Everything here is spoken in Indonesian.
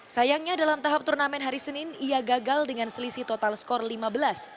sayangnya dalam tahap turnamen hari senin ia gagal dengan selisih total skor lima belas